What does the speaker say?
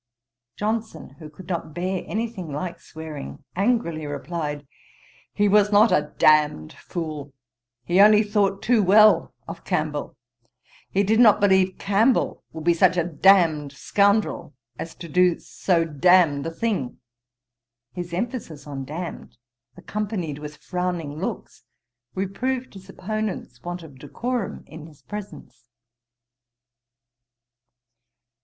Johnson, who could not bear any thing like swearing, angrily replied, 'He was not a damned fool: he only thought too well of Campbell. He did not believe Campbell would be such a damned scoundrel, as to do so damned a thing.' His emphasis on damned, accompanied with frowning looks, reproved his opponent's want of decorum in his presence.